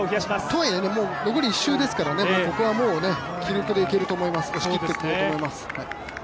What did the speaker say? とはいえ、残り１周ですからここは気力でいけると思います、押し切っていけると思います。